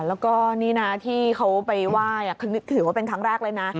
แล้วก็นี่นะที่เขาไปไหว้ถือว่าเป็นครั้งแรกเลยนะ